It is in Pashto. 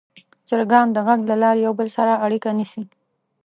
چرګان د غږ له لارې یو بل سره اړیکه نیسي.